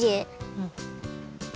うん。